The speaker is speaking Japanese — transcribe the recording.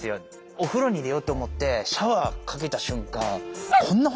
お風呂に入れようと思ってシャワーかけた瞬間確かに。